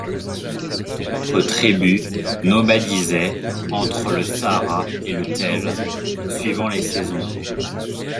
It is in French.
D'autres tribus nomadisaient entre le Sahara et le Tell, suivant les saisons.